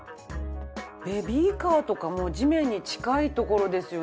ベビーカーとかも地面に近い所ですよね。